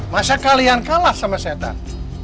masa kalian kalah sama setan